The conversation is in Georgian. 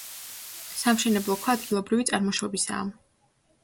სამშენებლო ქვა ადგილობრივი წარმოშობისაა.